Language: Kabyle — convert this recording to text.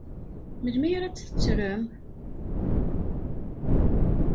Melmi ara tt-tettrem?